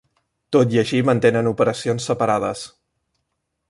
Tot i així mantenen operacions separades.